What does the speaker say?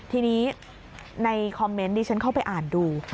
ทีนี้ในคอมเมนต์ดิฉันเข้าไปอ่านดู